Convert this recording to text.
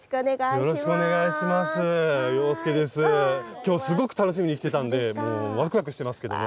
今日すごく楽しみにしてたんでもうワクワクしてますけども。